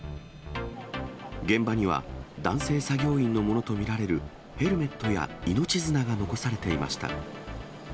現場には、男性作業員のものとみられる、ヘルメットや命綱が残されていました。